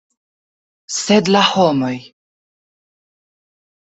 Sed la homoj!